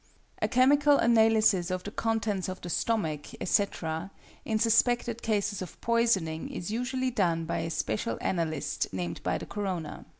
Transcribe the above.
A chemical analysis of the contents of the stomach, etc., in suspected cases of poisoning is usually done by a special analyst named by the coroner.